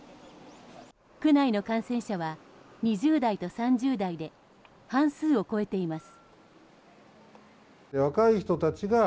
区内の感染者は２０代と３０代で半数を超えています。